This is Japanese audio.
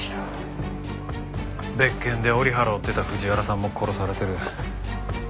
別件で折原を追ってた藤原さんも殺されてる。